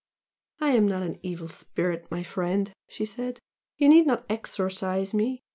"I am not an evil spirit, my friend!" she said "You need not exorcise me!